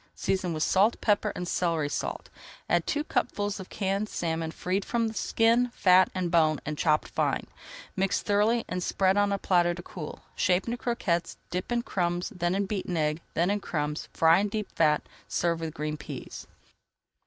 Season with salt, pepper, and celery salt. Add two cupfuls of canned salmon freed from skin, fat, and bone and chopped fine. Mix thoroughly and spread on a platter to cool. Shape into croquettes, dip in crumbs, [Page 296] then in beaten egg, then in crumbs, and fry in deep fat. Serve with green peas.